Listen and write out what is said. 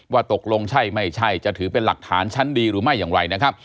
ว่าตกลงใช่ไม่ใช่จะถือเป็นหลักฐานชั้นดีหรือไม่อย่างไรนะครับ